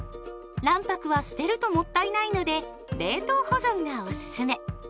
卵白は捨てるともったいないので冷凍保存がおすすめ。